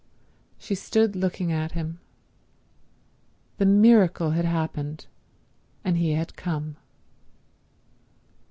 She stood looking at him. The miracle had happened, and he had come.